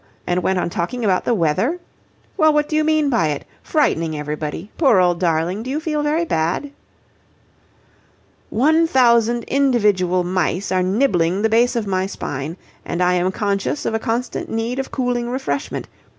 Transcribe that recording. and went on talking about the weather? Well, what do you mean by it? Frightening everybody. Poor old darling, do you feel very bad?" "One thousand individual mice are nibbling the base of my spine, and I am conscious of a constant need of cooling refreshment.